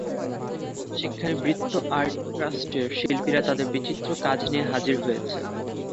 সেখানে বৃত্ত আর্ট ট্রাস্টের শিল্পীরা তাঁদের বিচিত্র কাজ নিয়ে হাজির হয়েছেন।